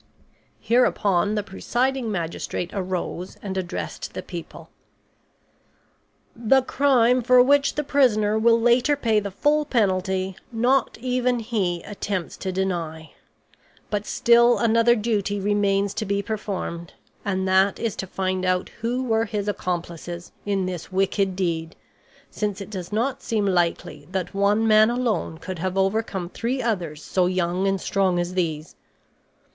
Hereupon the presiding magistrate arose and addressed the people: "The crime for which the prisoner will later pay the full penalty, not even he attempts to deny. But still another duty remains to be performed, and that is to find out who were his accomplices in this wicked deed; since it does not seem likely that one man alone could have overcome three others so young and strong as these.